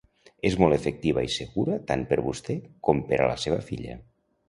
És molt efectiva i segura tant per vostè com per a la seva filla.